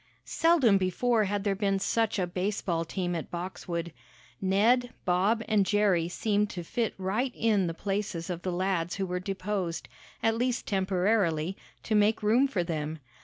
Seldom before had there been such a baseball team at Boxwood. Ned, Bob and Jerry seemed to fit right in the places of the lads who were deposed, at least temporarily, to make room for them.